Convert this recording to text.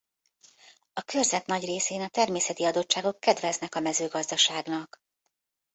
A körzet nagy részén a természeti adottságok kedveznek a mezőgazdaságnak.